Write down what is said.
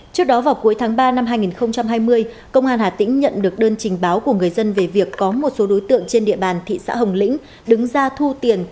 trước đó vào cuối tháng ba năm hai nghìn hai mươi công an hà tĩnh nhận được đơn trình báo của người dân về việc có một số đối tượng trên địa bàn thị xã hồng lĩnh đứng ra thu tiền